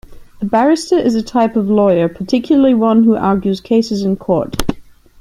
A barrister is a type of lawyer, particularly one who argues cases in court